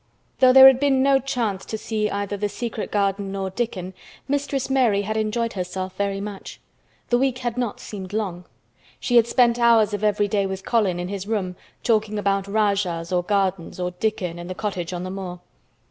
Though there had been no chance to see either the secret garden or Dickon, Mistress Mary had enjoyed herself very much. The week had not seemed long. She had spent hours of every day with Colin in his room, talking about Rajahs or gardens or Dickon and the cottage on the moor.